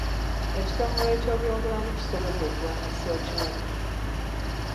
Ekitongole ky'ebyobulamu kisobodde okulwanisa ekitwadde.